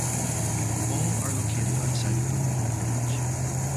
All are located outside of the walled village.